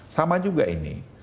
sama juga ini